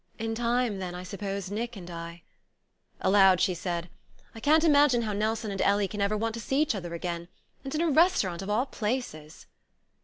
"In time, then, I suppose, Nick and I...." Aloud she said: "I can't imagine how Nelson and Ellie can ever want to see each other again. And in a restaurant, of all places!"